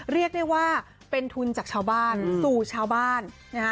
เรียกได้ว่าเป็นทุนจากชาวบ้านสู่ชาวบ้านนะฮะ